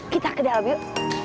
kita ke dalam yuk